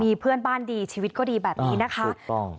มีเพื่อนบ้านดีชีวิตก็ดีแบบนี้นะคะ